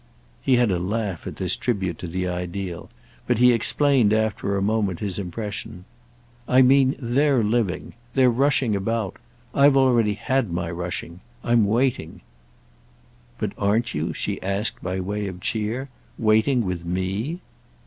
He had a laugh at his tribute to the ideal, but he explained after a moment his impression. "I mean they're living. They're rushing about. I've already had my rushing. I'm waiting." "But aren't you," she asked by way of cheer, "waiting with _me?